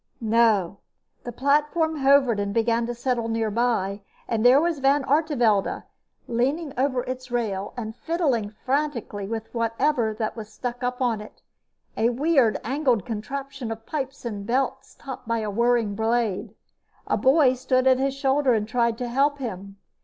No. The platform hovered and began to settle nearby, and there was Van Artevelde leaning over its rail and fiddling frantically with whatever it was that stuck up on it a weird, angled contraption of pipes and belts topped by a whirring blade. A boy stood at his shoulder and tried to help him.